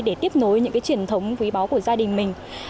để tiếp nối những cái truyền thống quý báu của gia đình mình